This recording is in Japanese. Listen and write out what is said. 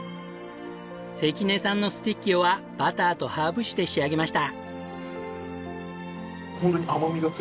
関根さんのスティッキオはバターとハーブ酒で仕上げました。